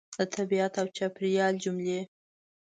د طبیعت او چاپېریال جملې